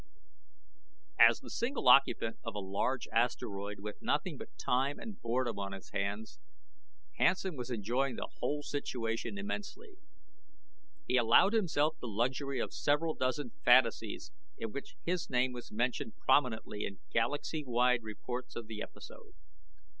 As the single occupant of a large asteroid with nothing but time and boredom on his hands, Hansen was enjoying the whole situation immensely. He allowed himself the luxury of several dozen fantasies in which his name was mentioned prominently in galaxy wide reports of the episode.